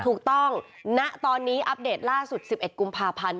ถูกต้องณตอนนี้อัปเดตล่าสุดสิบเอ็ดกุมภาพันธ์